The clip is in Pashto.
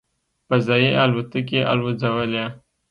"فضايي الوتکې" الوځولې.